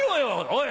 おい！